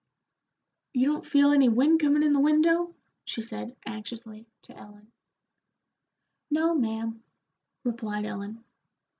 "You don't feel any wind comin' in the window?" she said, anxiously, to Ellen. "No, ma'am," replied Ellen.